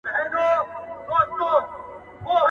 د عقل وږی نسته، د دنيا موړ نسته.